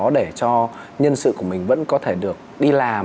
để cho nhân sự của mình vẫn có thể được đi làm